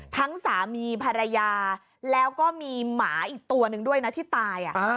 สามีภรรยาแล้วก็มีหมาอีกตัวหนึ่งด้วยนะที่ตาย